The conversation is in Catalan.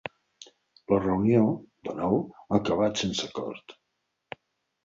La reunió, de nou, ha acabat sense acord.